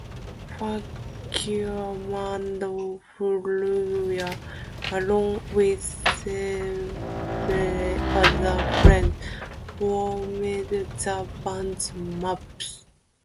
Fukuyama and Furuya, along with several other friends formed the band Maps.